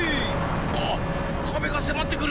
あっかべがせまってくる！